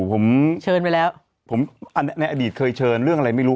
ผมในอดีตเคยเชิญเรื่องอะไรไม่รู้